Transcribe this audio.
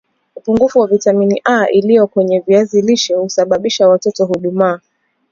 upungufu wa vitamini A iliyo kwenye viazi lishe huasababisha watoto hudumaa